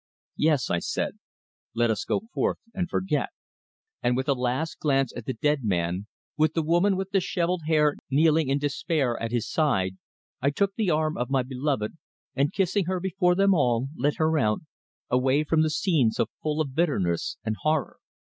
"Yes," I said, "let us go forth and forget." And with a last glance at the dead man, with the woman with dishevelled hair kneeling in despair at his side, I took the arm of my beloved, and kissing her before them all, led her out, away from the scene so full of bitterness and horror.